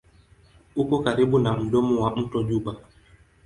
Uko karibu na mdomo wa mto Juba.